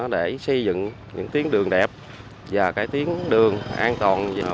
để xây dựng những tuyến đường đẹp và cải tiến đường an toàn